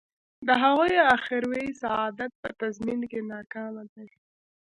د هغوی اخروي سعادت په تضمین کې ناکامه دی.